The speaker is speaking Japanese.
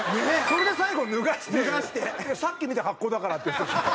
それで最後脱がして「さっき見た格好だから」って言ってたでしょ？